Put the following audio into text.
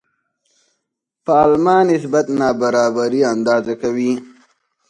پالما نسبت نابرابري اندازه کوي.